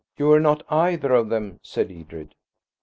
You aren't either of them," said Edred.